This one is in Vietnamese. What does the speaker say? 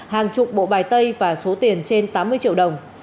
hàng chục bộ bài tay và số tiền trên tám mươi triệu đồng